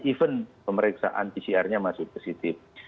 even pemeriksaan pcr nya masih positif